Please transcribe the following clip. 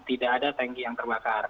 tidak ada tanki yang terbakar